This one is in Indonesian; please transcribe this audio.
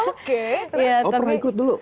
oke pernah ikut dulu